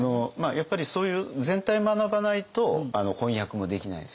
やっぱりそういう全体を学ばないと翻訳もできないですよね。